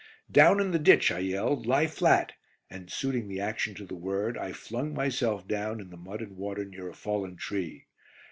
"Down in the ditch," I yelled. "Lie flat," and suiting the action to the word, I flung myself down in the mud and water near a fallen tree.